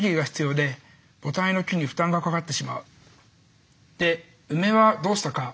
でウメはどうしたか。